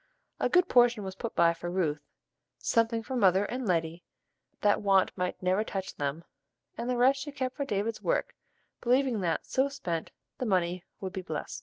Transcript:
A good portion was put by for Ruth, something for "mother and Letty" that want might never touch them, and the rest she kept for David's work, believing that, so spent, the money would be blest.